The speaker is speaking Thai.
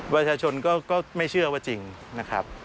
ประชาชนก็ไม่เชื่อว่าจริงนะครับ